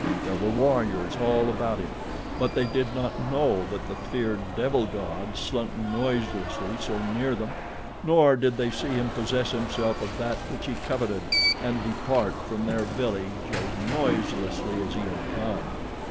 There were warriors all about him; but they did not know that the feared devil god slunk noiselessly so near them, nor did they see him possess himself of that which he coveted and depart from their village as noiselessly as he had come.